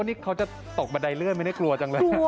นี่เขาจะตกบันไดเลื่อนไม่ได้กลัวจังเลย